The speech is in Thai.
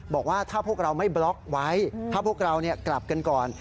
บอกว่าถ้าพวกเราไม่บล็อกไว้ถ้าพวกเรากลับกันก่อน